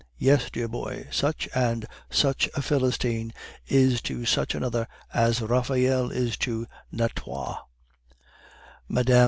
Yes, dear boy, such and such a philistine is to such another as Raphael is to Natoire. "Mme.